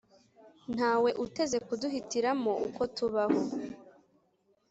ntawe uteze kuduhitiramo uko tubaho